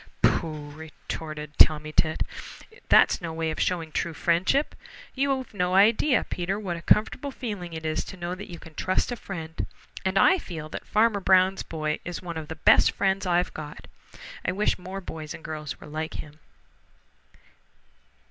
"Pooh!" retorted Tommy Tit. "That's no way of showing true friendship. You've no idea, Peter, what a comfortable feeling it is to know that you can trust a friend, and I feel that Farmer Brown's boy is one of the best friends I've got. I wish more boys and girls were like him."